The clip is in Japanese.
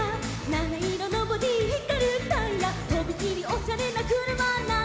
「なないろのボディひかるタイヤ」「とびきりオシャレなくるまなんだ」